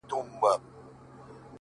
څومره دي ښايست ورباندي ټك واهه؛